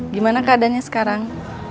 gimana keadaannya sekarang